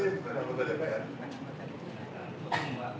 ini kan sekarang sudah ada yang mengaksanakan prt